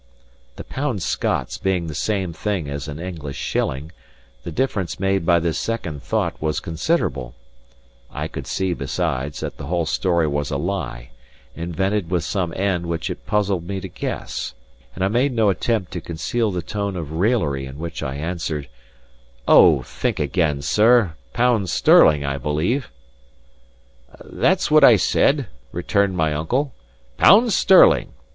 The pound Scots being the same thing as an English shilling, the difference made by this second thought was considerable; I could see, besides, that the whole story was a lie, invented with some end which it puzzled me to guess; and I made no attempt to conceal the tone of raillery in which I answered "O, think again, sir! Pounds sterling, I believe!" "That's what I said," returned my uncle: "pounds sterling!